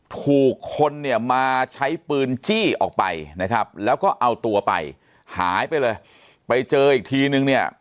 ถูกคนเนี่ยมาใช้ปืนจี้ออกไปนะครับแล้วก็เอาตัวไปหายไปเลยไปเจออีกทีนึงเนี่ย